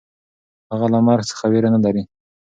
هغه له مرګ څخه وېره نهلري.